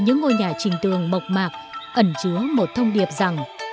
những ngôi nhà trình tường mộc mạc ẩn chứa một thông điệp rằng